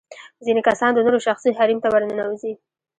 ځينې کسان د نورو شخصي حريم ته ورننوزي.